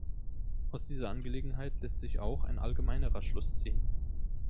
Aus dieser Angelegenheit lässt sich auch ein allgemeinerer Schluss ziehen.